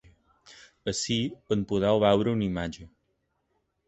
Ací en podeu veure una imatge.